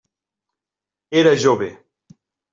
Era jove.